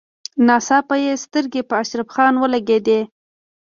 ناڅاپه يې سترګې په اشرف خان ولګېدې.